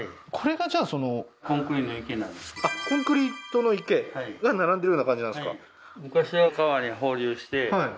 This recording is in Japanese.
コンクリートの池が並んでるような感じなんですか？